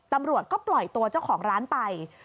ตำรวจก็ปล่อยตัวเจ้าของร้านไป